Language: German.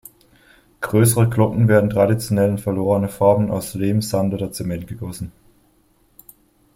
Größere Glocken werden traditionell in verlorene Formen aus Lehm, Sand oder Zement gegossen.